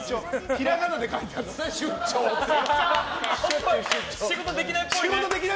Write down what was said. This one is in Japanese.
ひらがなで書いてあるのかな。